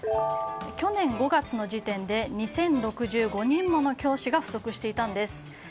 去年５月の時点で２０６５人もの教師が不足していたんです。